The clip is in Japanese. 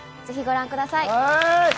ぜひご覧ください。